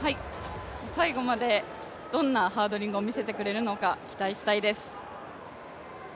最後までどんなハードリングを見せてくれるのか期待したいです。